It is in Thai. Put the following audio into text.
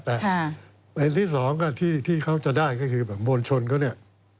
แต่อันที่สองที่เขาจะได้ก็คือแบบมวลชนเขาเนี่ย